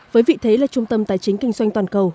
với vị thế là trung tâm tài chính kinh doanh toàn cầu